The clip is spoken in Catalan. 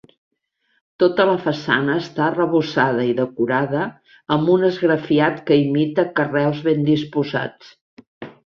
Tota la façana està arrebossada i decorada amb un esgrafiat que imita carreus ben disposats.